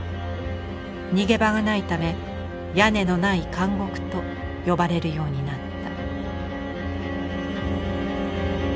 逃げ場がないため「屋根のない監獄」と呼ばれるようになった。